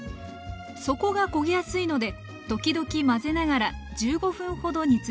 底が焦げやすいので時々混ぜながら１５分ほど煮詰めます